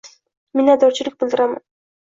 Minnadorchilik bildiraman.